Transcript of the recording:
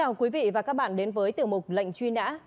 cảm ơn quý vị và các bạn đến với tiểu mục lệnh truy nã